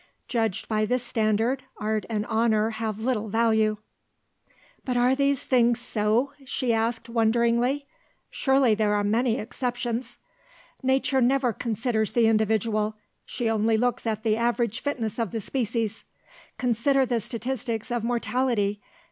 Judged by this standard art and honour have little value." "But are these things so?" she asked wonderingly. "Surely there are many exceptions?" "Nature never considers the individual; she only looks at the average fitness of the species. Consider the statistics of mortality.